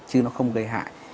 chứ nó không gây hại